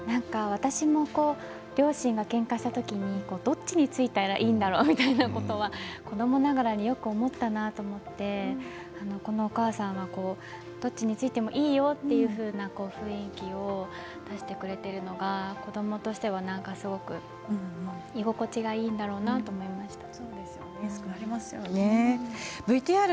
私も両親がけんかした時にどっちについたらいいんだろうみたいなことは子どもながらによく思ったことがあってこのお母さんはどっちについてもいいよというふうに雰囲気を出してくれているのが子どもとしては何かすごく居心地がいいんだろうなと思いました。